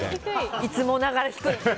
いつもながら低い。